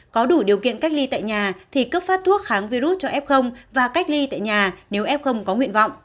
có đủ điều kiện cách ly tại nhà thì cấp phát thuốc kháng virus cho f và cách ly tại nhà nếu f không có nguyện vọng